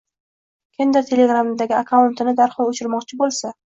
Kimdir Telegramdagi akkauntini darhol o’chirmoqchi bo’lsa